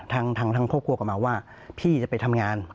ทางครอบครัวกลับมาว่าพี่จะไปทำงาน